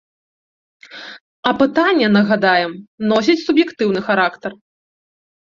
Апытанне, нагадаем, носіць суб'ектыўны характар.